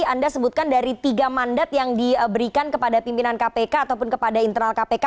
anda sebutkan dari tiga mandat yang diberikan kepada pimpinan kpk ataupun kepada internal kpk